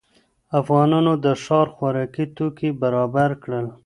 افغانانو د ښار خوراکي توکي برابر کړل.